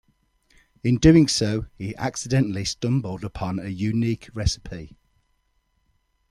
In doing so, he accidentally stumbled upon a unique recipe.